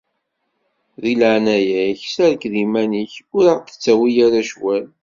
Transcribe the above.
Deg leɛnaya-k, serked iman-ik ur aɣ-d-ttawi ara cwal.